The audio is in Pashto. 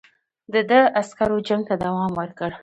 د ده عسکرو جنګ ته دوام ورکړ.